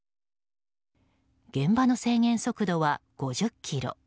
現場の制限速度は５０キロ。